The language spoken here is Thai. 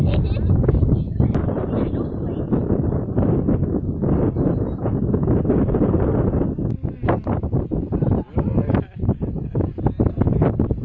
สวัสดีครับสวัสดีครับ